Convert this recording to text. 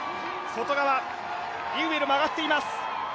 外側、イウエルも上がっています。